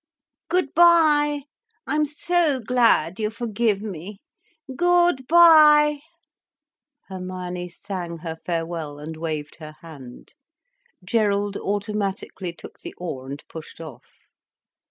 "Good bye! I'm so glad you forgive me. Gooood bye!" Hermione sang her farewell, and waved her hand. Gerald automatically took the oar and pushed off.